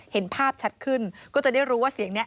เห็นภาพชัดขึ้นก็จะได้รู้ว่าเสียงนี้